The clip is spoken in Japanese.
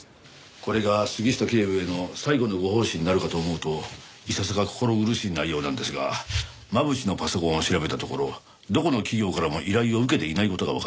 これが杉下警部への最後のご奉仕になるかと思うといささか心苦しい内容なんですが真渕のパソコンを調べたところどこの企業からも依頼を受けていない事がわかりました。